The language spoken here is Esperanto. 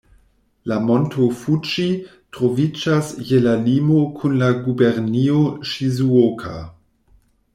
La Monto Fuĝi troviĝas je la limo kun la gubernio Ŝizuoka.